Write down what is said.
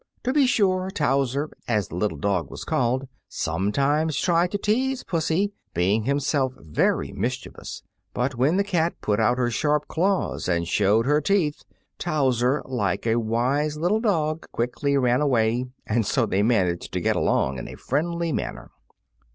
To be sure Towser, as the little dog was called, sometimes tried to tease pussy, being himself very mischievous; but when the cat put out her sharp claws and showed her teeth, Towser, like a wise little dog, quickly ran away, and so they managed to get along in a friendly manner.